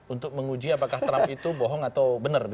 untuk menguji apakah trump itu bohong atau benar